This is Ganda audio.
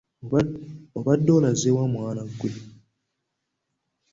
Obadde olazeewa mwana gwe?